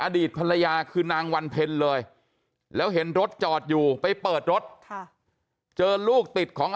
อดีตภรรยาคือนางวันเพ็ญเลยแล้วเห็นรถจอดอยู่ไปเปิดรถเจอลูกติดของ